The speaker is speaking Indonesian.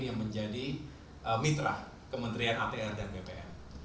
yang menjadi mitra kementerian atr dan bpn